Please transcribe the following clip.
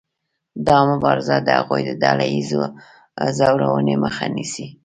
دا مبارزه د هغوی د ډله ایزې ځورونې مخه نیسي.